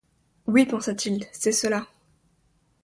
Oui, pensa-t-il, c’est cela.